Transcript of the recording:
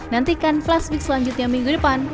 nantikan flash week selanjutnya minggu depan